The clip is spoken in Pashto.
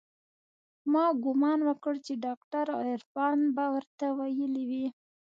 ما ګومان وکړ چې ډاکتر عرفان به ورته ويلي وي.